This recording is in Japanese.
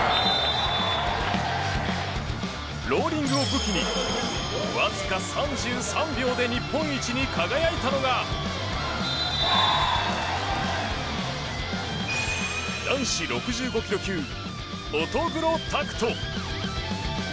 ローリングを武器にわずか３３秒で日本一に輝いたのが男子６５ｋｇ級、乙黒拓斗。